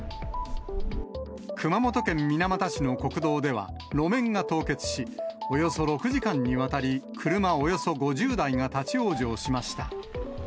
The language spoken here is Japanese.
熊本県水俣市の国道では、路面が凍結し、およそ６時間にわたり車およそ５０台が立往生しました。